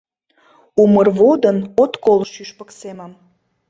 Умыр водын от кол шӱшпык семым.